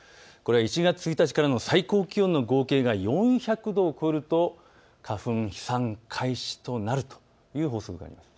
これは１月１日からの最高気温の合計が４００度を超えると花粉飛散開始となるという法則。